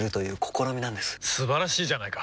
素晴らしいじゃないか！